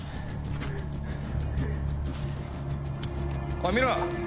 おい見ろ。